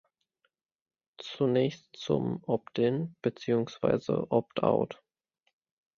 Zunächst zum "opt-in" beziehungsweise "opt-out".